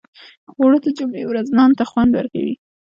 اوړه د جمعې ورځې نان ته خوند ورکوي